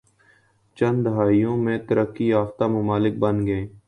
چند دہائیوں میں ترقی یافتہ ممالک بن گئے